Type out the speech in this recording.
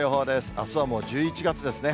あすはもう１１月ですね。